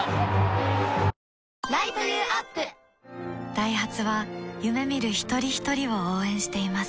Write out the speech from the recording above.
ダイハツは夢見る一人ひとりを応援しています